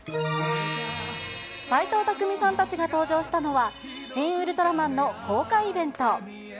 斎藤工さんたちが登場したのは、シン・ウルトラマンの公開イベント。